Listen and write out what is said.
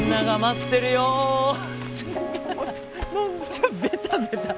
ちょベタベタ